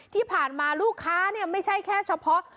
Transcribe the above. ที่ผ่านมาลูกค้าเนี่ยไม่ใช่แค่เฉพาะ